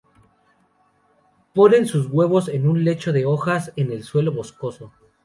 Ponen sus huevos en un lecho de hojas en el suelo boscoso.